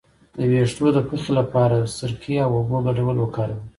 د ویښتو د پخې لپاره د سرکې او اوبو ګډول وکاروئ